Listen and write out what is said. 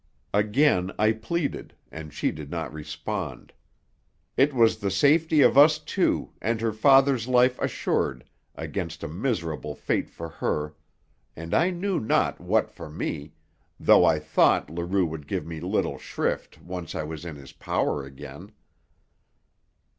Again I pleaded, and she did not respond. It was the safety of us two, and her father's life assured, against a miserable fate for her, and I knew not what for me, though I thought Leroux would give me little shrift once I was in his power again.